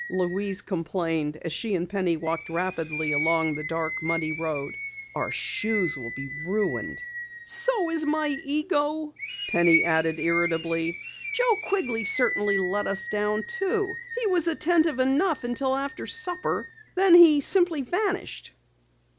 Louise complained as she and Penny walked rapidly along the dark, muddy road. "Our shoes will be ruined!" "So is my ego!" Penny added irritably. "Joe Quigley certainly let us down too. He was attentive enough until after supper. Then he simply vanished."